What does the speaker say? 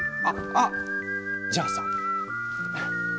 あっじゃあさ。